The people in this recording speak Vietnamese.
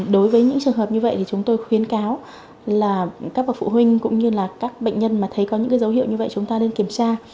đối với những trường hợp như vậy thì chúng tôi khuyến cáo là các bậc phụ huynh cũng như là các bệnh nhân mà thấy có những dấu hiệu như vậy chúng ta nên kiểm tra